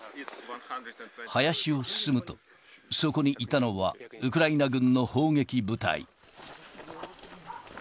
林を進むと、そこにいたのはウクライナ軍の砲撃部隊。